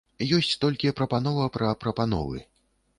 Ёсць толькі прапанова пра прапановы.